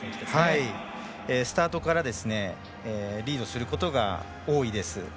スタートから、リードすることが多いです。